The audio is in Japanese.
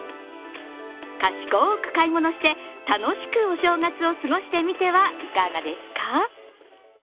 賢く買い物して楽しくお正月を過ごしてみてはいかがですか？